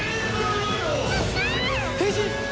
変身！